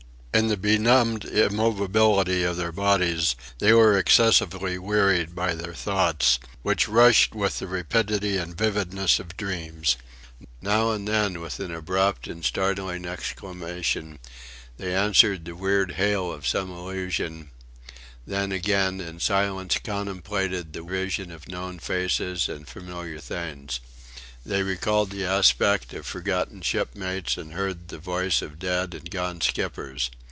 In the benumbed immobility of their bodies they were excessively wearied by their thoughts, which rushed with the rapidity and vividness of dreams. Now and then, by an abrupt and startling exclamation, they answered the weird hail of some illusion; then, again, in silence contemplated the vision of known faces and familiar things. They recalled the aspect of forgotten shipmates and heard the voice of dead and gone skippers.